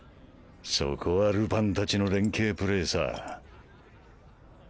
そこはルパンたちの連携プレーさ。